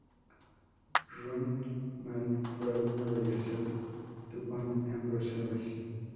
Ruhlmann fue alumno de Joseph Dupont en Bruselas.